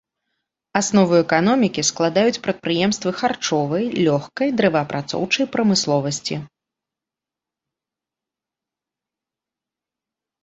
Аснову эканомікі складаюць прадпрыемствы харчовай, лёгкай, дрэваапрацоўчай прамысловасці.